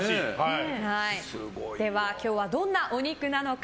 今日はどんなお肉なのか。